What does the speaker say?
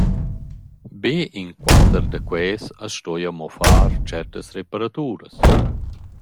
Be in quatter da quels as stoja amo far tschertas reparaturas.